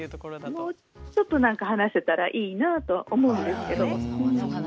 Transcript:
もうちょっと話せたらいいなと思うんですけど。